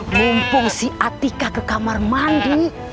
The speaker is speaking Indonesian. mumpung si atika ke kamar mandi